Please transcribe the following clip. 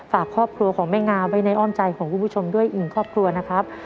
ฝากครอบครัวของแม่งาไว้ในอ้อมใจของคุณผู้ชมด้วยอีกหนึ่งครอบครัวนะครับ